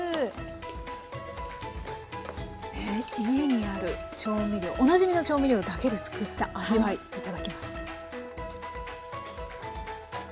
ねっ家にある調味料おなじみの調味料だけで作った味わいいただきます。